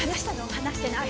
話してない。